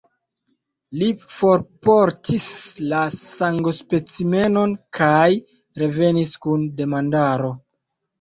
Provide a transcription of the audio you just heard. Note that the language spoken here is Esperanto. Li forportis la sangospecimenon, kaj revenis kun demandaro.